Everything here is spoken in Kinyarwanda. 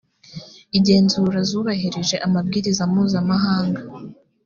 igenzura zubahirije amabwiriza mpuzamahanga